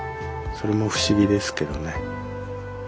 それも不思議ですけどね。